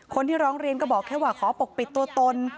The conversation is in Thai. คนที่ร้องเรียนก็บอกแค่ว่าขอปกปิดตัวตน